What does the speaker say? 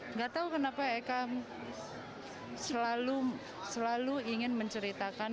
nggak tahu kenapa eka selalu ingin menceritakan